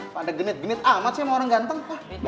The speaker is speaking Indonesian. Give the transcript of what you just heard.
pada genit genit amat sama orang ganteng